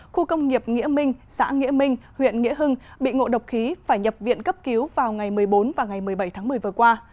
khu công nghiệp nghĩa minh xã nghĩa minh huyện nghĩa hưng bị ngộ độc khí phải nhập viện cấp cứu vào ngày một mươi bốn và ngày một mươi bảy tháng một mươi vừa qua